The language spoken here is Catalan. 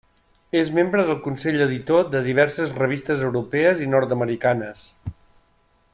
És membre del consell editor de diverses revistes europees i nord-americanes.